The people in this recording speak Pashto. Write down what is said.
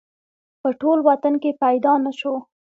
په ټول وطن کې پیدا نه شو